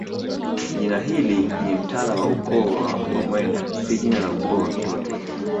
Jina hili ni mtala wa ukoo wa Wamwenda si jina la ukoo wa mtoto